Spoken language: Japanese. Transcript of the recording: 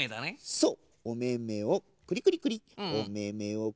そう！